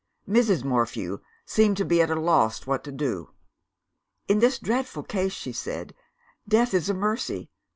"Mrs. Morphew seemed to be at a loss what to do. 'In this dreadful case,' she said, 'death is a mercy.